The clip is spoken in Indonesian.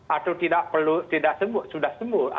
atau tidak sudah sembuh